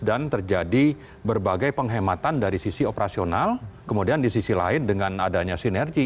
dan terjadi berbagai penghematan dari sisi operasional kemudian di sisi lain dengan adanya sinergi